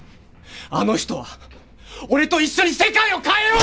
あの人は俺と一緒に世界を変えよう。